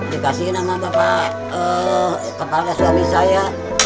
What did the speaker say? dikasihin sama bapak kepala suami saya